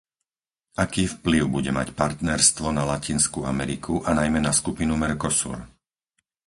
Aký vplyv bude mať partnerstvo na Latinskú Ameriku a najmä na skupinu Mercosur?